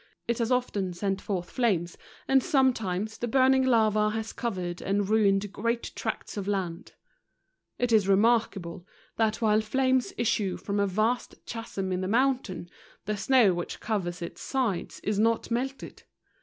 It has often sent forth flames, and sometimes the burning lava has co¬ vered and ruined great tracts of land. It is re NORWAY* 10 markable, that while flames issue from a vast chasm in the mountain, the snow which covers its sides is not melted.